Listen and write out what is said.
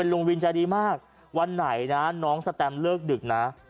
ลุงวินใจดีมากวันไหนนะน้องสแตมเลิกดึกนะ